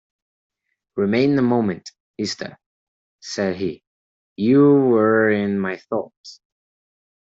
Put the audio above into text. "Remain a moment, Esther," said he, "You were in my thoughts."